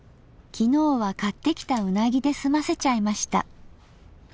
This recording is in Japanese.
昨日は買ってきたうなぎで済ませちゃいました。